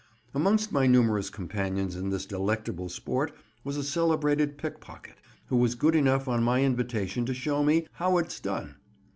Amongst my numerous companions in this delectable sport was a celebrated pickpocket; who was good enough on my invitation to show me "how it's done."